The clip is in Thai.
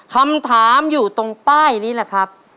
คำถามอยู่ตรงป้ายนี้แหละครับ